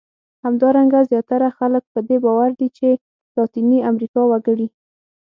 همدارنګه زیاتره خلک په دې باور دي چې لاتیني امریکا وګړي.